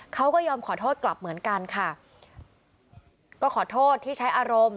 เขาก็ยอมขอโทษกลับเหมือนกันค่ะก็ขอโทษที่ใช้อารมณ์